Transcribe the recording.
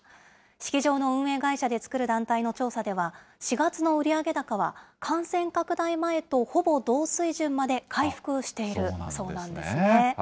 式場の運営会社で作る団体の調査では、４月の売上高は、感染拡大前とほぼ同水準まで回復しているそうなんですね。